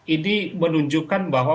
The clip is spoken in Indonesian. ini menunjukkan bahwa